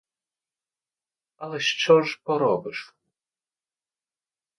Але що ж поробиш!